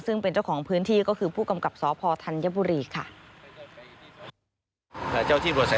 ซึ่งเป็นเจ้าของพื้นที่ก็คือผู้กำกับสพธัญบุรีค่ะ